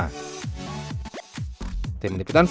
tim lipitan cnn indonesia natuna